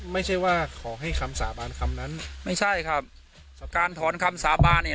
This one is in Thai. ไม่ใช่ว่าขอให้คำสาบานคำนั้นไม่ใช่ครับการถอนคำสาบานเนี่ย